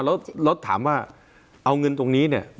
แล้วถามว่าเอาเงินตรงนี้เนี่ย